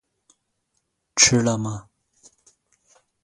吃了吗